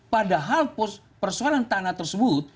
padahal persoalan tanah tersebut